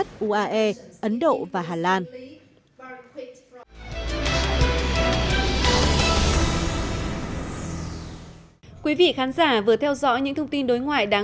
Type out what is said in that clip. bởi vì chúng ta đã